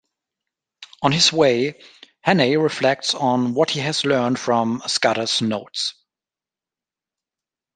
On his way, Hannay reflects on what he has learnt from Scudder's notes.